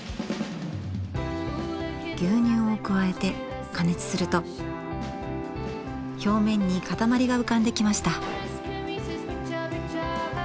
牛乳を加えて加熱すると表面に固まりが浮かんできました。